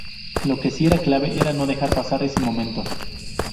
Lo que sí era clave era no dejar pasar ese momento.